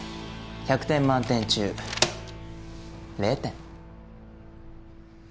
１００点満点中０点。